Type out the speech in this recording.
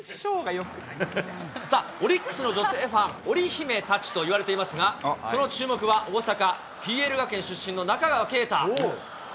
オリックスの女性ファン、オリ姫たちといわれていますが、その注目は大阪・ＰＬ学園出身の中川圭太。